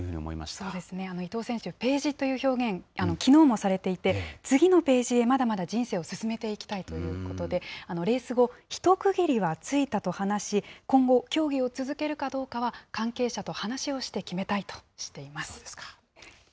そうですね、伊藤選手、ページという表現、きのうもされていて、次のページへまだまだ人生を進めていきたいということで、レース後、ひと区切りはついたと話し、今後、競技を続けるかどうかは、関係者と話をして決めたいとしています。